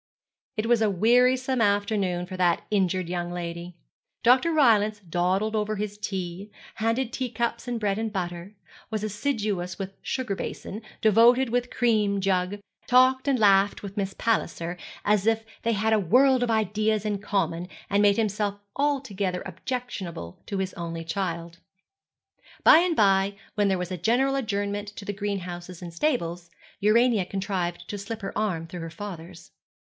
It was a wearisome afternoon for that injured young lady. Dr. Rylance dawdled over his tea, handed teacups and bread and butter, was assiduous with the sugar basin, devoted with the cream jug, talked and laughed with Miss Palliser, as if they had a world of ideas in common, and made himself altogether objectionable to his only child. By and by, when there was a general adjournment to the greenhouses and stables, Urania contrived to slip her arm through her father's.